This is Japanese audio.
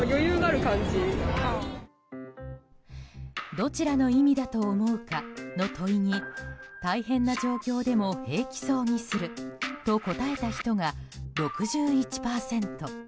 どちらの意味だと思うか？の問いに大変な状況でも平気そうにすると答えた人が６１％。